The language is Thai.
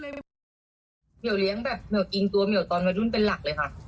เหมาเลี้ยงแบบเหี่ยวกินตัวเหมียวตอนวัยรุ่นเป็นหลักเลยค่ะ